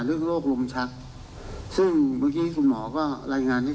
หนึ่งก็คุณต้องคุยกันเถิดในอันดับต่างจังหวัด